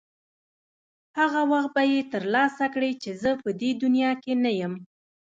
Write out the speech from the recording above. هغه وخت یې ترلاسه کړې چې زه به په دې دنیا کې نه یم.